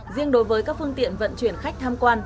riêng đối với các phương tiện vận chuyển khách tham quan